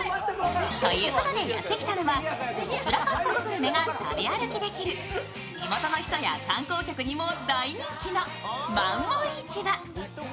ということでやってきたのは、ププラ韓国グルメが食べ歩きできる地元の人や観光客にも大人気のマンウォン市場。